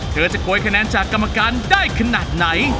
เธอจะโกยคะแนนจากกรรมการได้ขนาดไหน